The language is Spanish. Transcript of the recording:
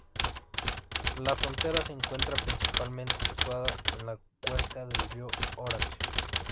La frontera se encuentra principalmente situada en la cuenca del río Orange.